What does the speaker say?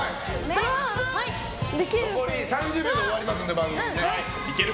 残り３０秒で終わりますので番組。